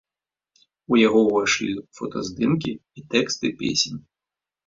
У яго ўвайшлі фотаздымкі і тэксты песень.